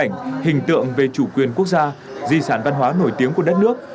hình ảnh hình tượng về chủ quyền quốc gia di sản văn hóa nổi tiếng của đất nước